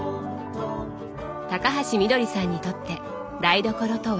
高橋みどりさんにとって台所とは？